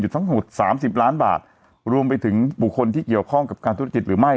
จุดทั้งหมดสามสิบล้านบาทรวมไปถึงบุคคลที่เกี่ยวข้องกับการทุกข์จิตหรือไม่